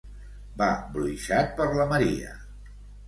Va bruixat per la Maria.